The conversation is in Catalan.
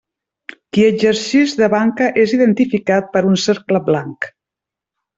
Qui exercix de banca és identificat per un cercle blanc.